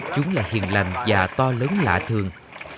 chúng là hiền lành và to lớn lạ thường